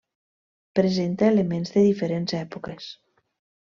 Presenta elements de diferents èpoques.